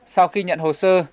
sau khi nhận hồ sơ